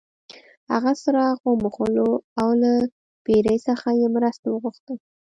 هغه څراغ وموښلو او له پیري څخه یې مرسته وغوښته.